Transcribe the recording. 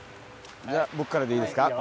じゃあ僕からでいいですか？